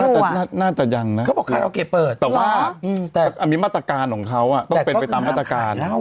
แต่ว่ามีมาตรการของเขาต้องเป็นไปตามมาตรการ